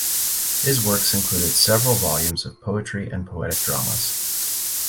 His works included several volumes of poetry and poetic dramas.